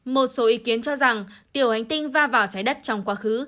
một số ý kiến cho rằng tiểu hành tinh va vào trái đất trong quá khứ